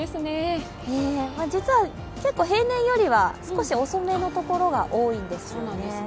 実は結構平年よりは少し遅めのところが多いんですよね。